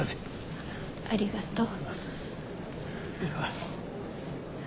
ありがとう。